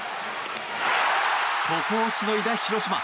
ここをしのいだ広島。